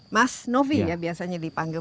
mas novi ya biasanya dipanggil